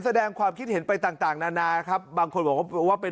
แสดงความคิดเห็นไปต่างต่างนานาครับบางคนบอกว่าว่าเป็น